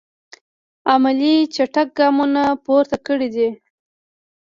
عملي چټک ګامونه پورته کړی دي.